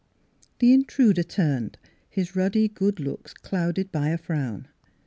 The intruder turned, his ruddy good looks clouded by a frown.